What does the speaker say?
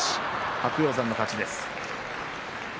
白鷹山の勝ちです。